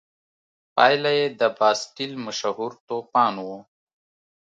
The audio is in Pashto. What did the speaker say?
پایله یې د باسټیل مشهور توپان و.